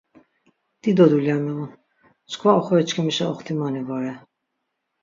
Dido dulya miğun, çkva oxoriçkimişa oxtimoni vore.